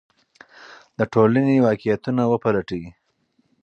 د ټولنې واقعیتونه وپلټئ.